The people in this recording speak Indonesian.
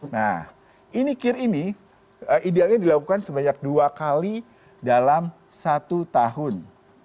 nah ini kir ini idealnya dilakukan sebanyak dua kali dalam satu tahun